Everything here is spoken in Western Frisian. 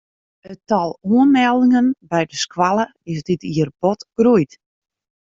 It tal oanmeldingen by de skoalle is dit jier bot groeid.